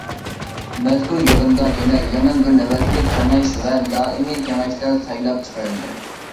مەزكۇر يىغىندا يەنە يېڭى بىر نۆۋەتلىك كېڭەش ۋە دائىمىي كېڭەشلەر سايلاپ چىقىرىلدى.